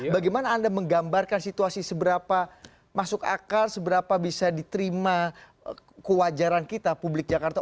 bagaimana anda menggambarkan situasi seberapa masuk akal seberapa bisa diterima kewajaran kita publik jakarta